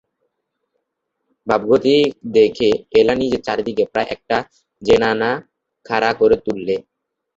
ভাবগতিক দেখে এলা নিজের চারিদিকে প্রায় একটা জেনানা খাড়া করে তুললে।